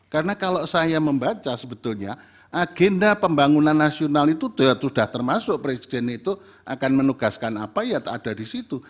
karena kalau saya membaca sebetulnya agenda pembangunan nasional itu sudah termasuk presiden itu akan menugaskan apa ya tak ada di situ